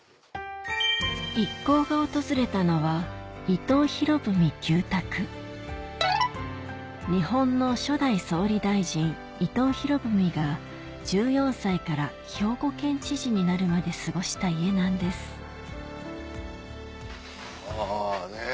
一行が訪れたのは日本の初代総理大臣伊藤博文が１４歳から兵庫県知事になるまで過ごした家なんですあぁねっ。